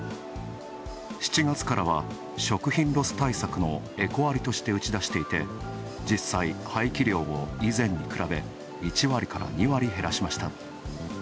７月からは食品ロス対策のエコ割として打ち出していて、実際、廃棄量も以前に比べ１割から２割減らしました。